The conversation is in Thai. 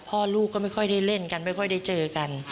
พ่อลูกก็ไม่ค่อยได้เล่นกันไม่ค่อยได้เจอกัน